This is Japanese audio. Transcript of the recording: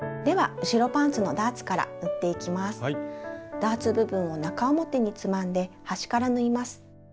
ダーツ部分を中表につまんで端から縫います。